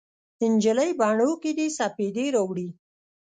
نجلۍ بڼو کې دې سپیدې راوړي